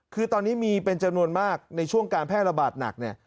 คือตอนนี้มีเป็นจำนวนมากในช่วงการแพร่ระบาดหนักเนี่ย